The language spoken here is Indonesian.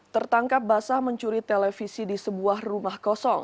tertangkap basah mencuri televisi di sebuah rumah kosong